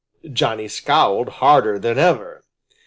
Johnny scowled harder than ever.